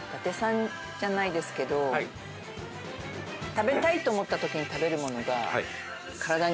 食べたいと思った時に食べるものが。